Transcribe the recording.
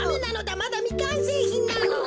まだみかんせいひんなの。